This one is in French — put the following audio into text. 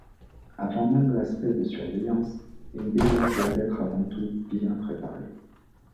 Avant même l'aspect de surveillance, une baignade doit être avant tout bien préparée.